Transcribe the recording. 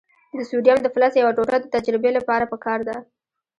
د سوډیم د فلز یوه ټوټه د تجربې لپاره پکار ده.